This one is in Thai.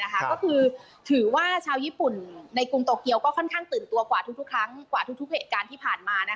ก็คือถือว่าชาวญี่ปุ่นในกรุงโตเกียวก็ค่อนข้างตื่นตัวกว่าทุกครั้งกว่าทุกเหตุการณ์ที่ผ่านมา